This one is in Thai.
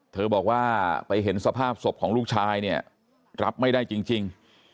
บอกว่าไปเห็นสภาพศพของลูกชายเนี่ยรับไม่ได้จริง